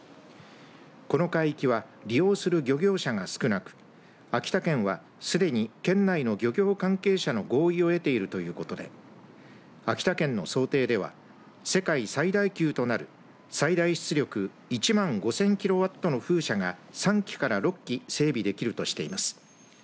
この海域は利用する漁業者が少なく秋田県はすでに県内の漁業関係者の合意を得ているということで秋田県の想定では世界最大級となる最大出力１万５０００キロワットの風車が３基から６基整備できるとしています。